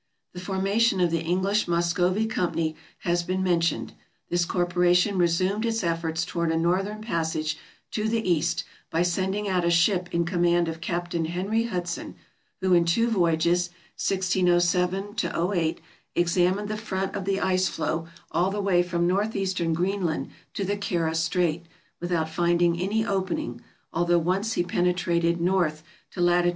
The formation of the English Muscovy Company has been mentioned. This corporation resumed its efforts toward a northern passage to the East by sending out a ship in command 448 TRAVELERS AND EXPLORERS of Captain Henry Hudson, who in two voyages (1607 08) examined the front of the ice floe all the way from northeastern Greenland to the Kara Strait, without finding any opening, although once he penetrated north to lat.